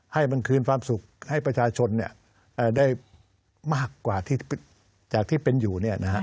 ให้มันคืนความสุขให้ประชาชนได้มากกว่าจากที่เป็นอยู่